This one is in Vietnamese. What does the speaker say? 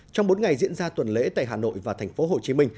trong bốn ngày diễn ra tuần lễ tại hà nội và tp hcm